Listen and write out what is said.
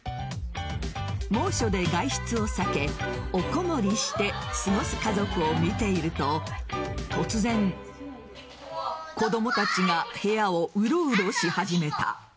猛暑で外出を避けおこもりして過ごす家族を見ていると突然子供たちが部屋をウロウロし始めた。